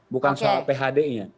bukan soal phd ini ya